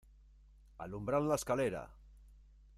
¡ alumbrad la escalera!...